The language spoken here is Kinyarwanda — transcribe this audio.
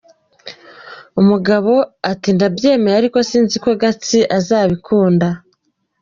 " Umugabo ati "Ndabyemeye, ariko sinzi ko Gatsi azabikunda!".